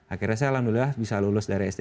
akhirnya saya alhamdulillah bisa lulus dari sd